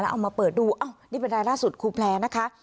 เอามาเปิดดูอ้าวนี่เป็นรายล่าสุดครูแพลร์นะคะ